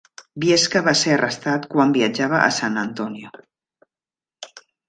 Viesca va ser arrestat quan viatjava a San Antonio.